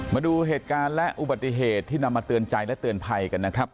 มาดูเหตุการณ์และอุบัติเหตุที่นำมาเตือนใจและเตือนภัยกันนะครับ